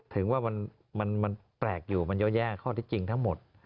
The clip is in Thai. ถึงว่ามันแปลกอยู่มันเยอะแยะข้อที่จริงทั้งหมด